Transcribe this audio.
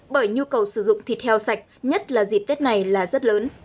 bởi nhu cầu sử dụng thịt heo sạch nhất là dịp tết này là rất lớn